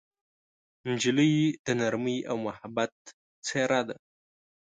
نجلۍ د نرمۍ او محبت څېره ده.